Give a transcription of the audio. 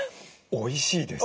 おいしいです。